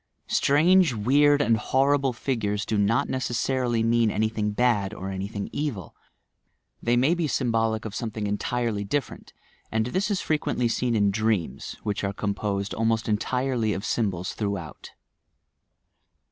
Strange, weird and horrible figures do not necessarily mean any thing bad or anything evil; they may be symbolic of something entirely different, and this is frequently seen in dreams which are composed almost entirely of sym bols throughout.